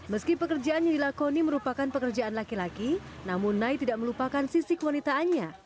meski pekerjaan yang dilakoni merupakan pekerjaan laki laki namun nai tidak melupakan sisi kewanitaannya